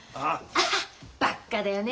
アハッバッカだよね